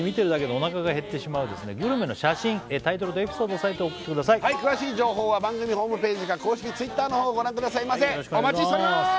皆さんもこのようにタイトルとエピソードを添えて送ってください詳しい情報は番組ホームページか公式Ｔｗｉｔｔｅｒのほうご覧くださいませお待ちしております！